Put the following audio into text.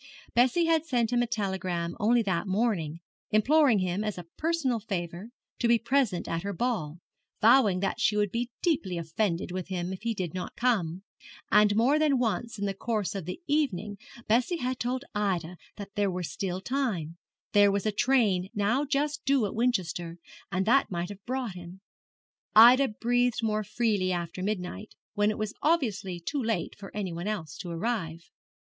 Bessie had sent him a telegram only that morning, imploring him, as a personal favour, to be present at her ball, vowing that she would be deeply offended with him if he did not come; and more than once in the course of the evening Bessie had told Ida that there was still time, there was a train now just due at Winchester, and that might have brought him. Ida breathed more freely after midnight, when it was obviously too late for any one else to arrive.